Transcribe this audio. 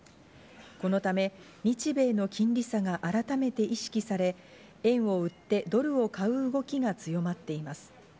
このため日米の金利差が改めて意識され、円を売ってドルを買う動きが強まっています。